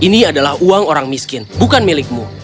ini adalah uang orang miskin bukan milikmu